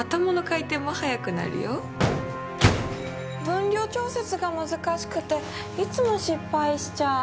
分量調節が難しくていつも失敗しちゃう。